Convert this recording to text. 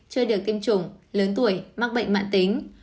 chưa được tiêm chủng lớn tuổi mắc bệnh mạng tính